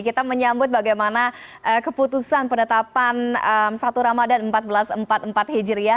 kita menyambut bagaimana keputusan penetapan satu ramadhan seribu empat ratus empat puluh empat hijriah